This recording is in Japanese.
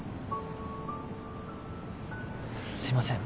すいません。